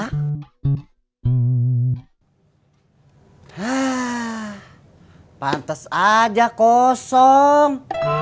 hah pantes aja kosong